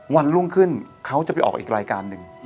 วันรุ่งขึ้นเขาจะไปออกอีกรายการหนึ่ง